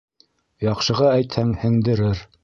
Яҡшыға әйтһәң, һеңдерер